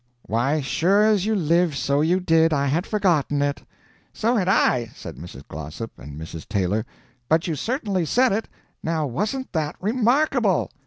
"Why sure as you live, so you did! I had forgotten it." "So had I," said Mrs. Glossop and Mrs. Taylor; "but you certainly said it. Now wasn't that remarkable?"